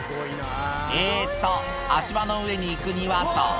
えーっと、足場の上に行くにはと。